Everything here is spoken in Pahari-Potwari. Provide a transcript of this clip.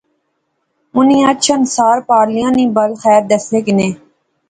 انی اچھن سار پارلیاں نی بل خیر دسے کنے